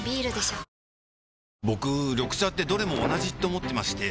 僕緑茶ってどれも同じって思ってまして